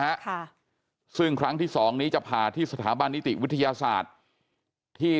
ค่ะซึ่งครั้งที่สองนี้จะผ่าที่สถาบันนิติวิทยาศาสตร์ที่